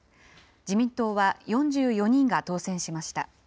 自民党は４４人が当選しました。